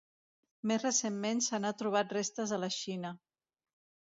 Més recentment se n'han trobat restes a la Xina.